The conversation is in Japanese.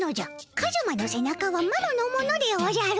カズマのせ中はマロのものでおじゃる。